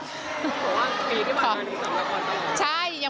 เพราะว่าปีที่ผ่านมาถึง๓ละครต่อมา